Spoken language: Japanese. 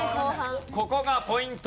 ここがポイント。